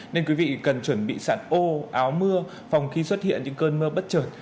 nên quý vị cần chuẩn bị sẵn ô áo mưa phòng khi xuất hiện những cơn mưa bất trợt